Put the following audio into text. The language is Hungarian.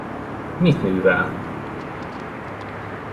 Mit művel?